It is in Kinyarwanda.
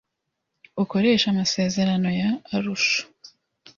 Ukoreshe amasezerano ya arusha